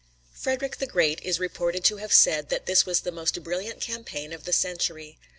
Frederick the Great is reported to have said that this was the most brilliant campaign of the century.